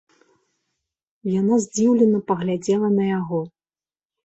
Яна здзіўлена паглядзела на яго.